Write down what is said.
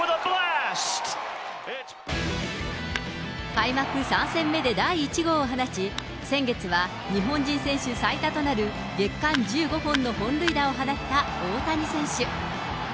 開幕３戦目で第１号を放ち、先月は日本人選手最多となる月間１５本の本塁打を放った大谷選手。